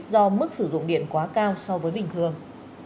do mức sử dụng điện quá cao so với bình thường